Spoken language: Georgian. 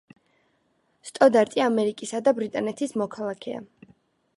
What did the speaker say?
სტოდარტი ამერიკისა და ბრიტანეთის მოქალაქეა.